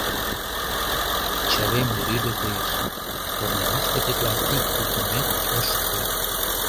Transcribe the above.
Чывем лӱдӧ, коеш, корно мучко тетла ик йӱкымат ыш пу.